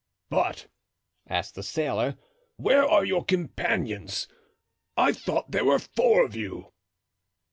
"But," asked the sailor, "where are your companions? I thought there were four of you."